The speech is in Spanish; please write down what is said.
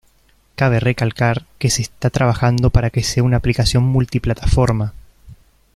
Cabe recalcar que se está trabajando para que sea una aplicación multiplataforma.